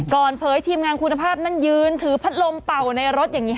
เผยทีมงานคุณภาพนั้นยืนถือพัดลมเป่าในรถอย่างนี้ค่ะ